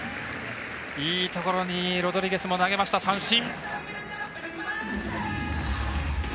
いいところにロドリゲス投げました、三振。